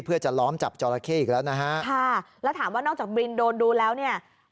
เพื่อจะล้อมจับจอราเข้อีกแล้วนะฮะค่ะแล้วถามว่านอกจากบินโดนดูแล้วเนี่ย